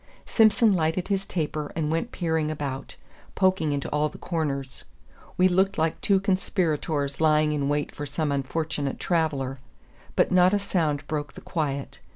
Simson lighted his taper and went peering about, poking into all the corners. We looked like two conspirators lying in wait for some unfortunate traveller; but not a sound broke the quiet.